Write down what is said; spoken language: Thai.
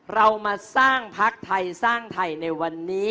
เรามาสร้างพักไทยสร้างไทยในวันนี้